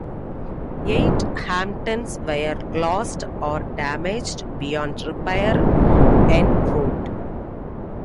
Eight Hampdens were lost or damaged beyond repair en route.